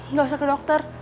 nggak usah ke dokter